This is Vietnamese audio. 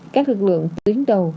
các lực lượng tuyến đầu